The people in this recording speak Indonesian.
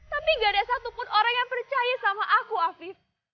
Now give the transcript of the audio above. tapi gak ada satupun orang yang percaya sama aku afif